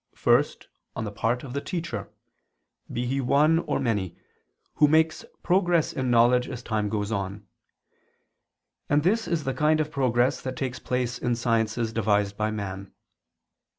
First, on the part of the teacher, be he one or many, who makes progress in knowledge as time goes on: and this is the kind of progress that takes place in sciences devised by man.